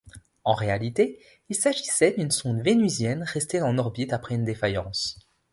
En réalité, il s’agissait d’une sonde vénusienne restée en orbite après une défaillance.